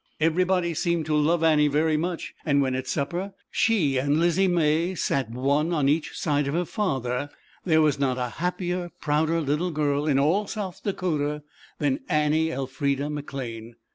Everybody seemed to love Annie very much, and when at supper, she and Lizzie May, sat one on each side of her Father, there was not a happier, prouder little girl 250 ZAUBERLINDA, THE WISE WITCH. in all South Dakota than Annie Elfrida McLane.